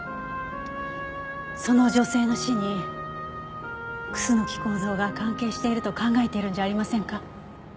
その女性の死に楠木孝蔵が関係していると考えているんじゃありませんか？